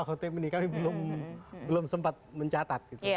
kami belum sempat mencatat